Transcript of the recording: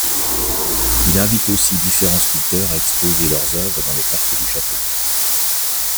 Il invite aussi différents sculpteurs à exposer leurs œuvres dans le parc du château.